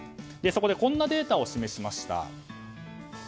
そこでこんなデータを示しました。